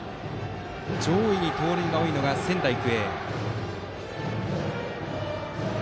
上位に盗塁が多い仙台育英。